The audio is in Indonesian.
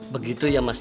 begitu ya mas cilin